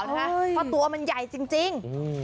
เพราะตัวมันใหญ่จริง